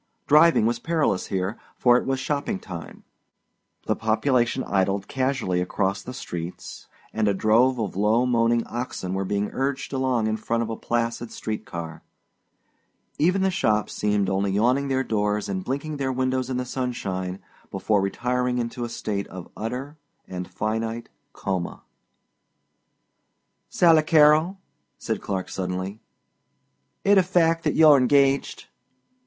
Driving was perilous here, for it was shopping time; the population idled casually across the streets and a drove of low moaning oxen were being urged along in front of a placid street car; even the shops seemed only yawning their doors and blinking their windows in the sunshine before retiring into a state of utter and finite coma. "Sally Carrol," said Clark suddenly, "it a fact that you're engaged?"